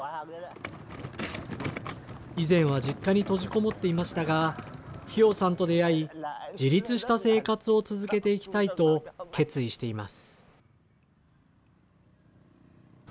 以前は実家に閉じこもっていましたがヒヨウさんと出会い自立した生活を続けていきたいと決意しています。